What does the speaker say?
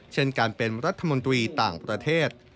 เช่นการเป็นรัฐมนตรีต่างประเทศ